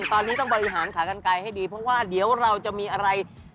ตอนนี้ต้องบริหารขากันไกลให้ดีเพราะว่าเดี๋ยวเราจะมีอะไร